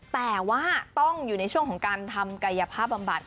แต่ว่าต้องอยู่ในช่วงของการทำกายภาพบำบัด